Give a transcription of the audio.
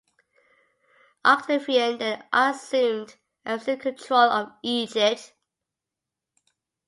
Octavian then assumed absolute control of Egypt.